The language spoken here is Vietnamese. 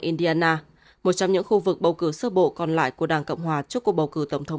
indiana một trong những khu vực bầu cử sơ bộ còn lại của đảng cộng hòa trước cuộc bầu cử tổng thống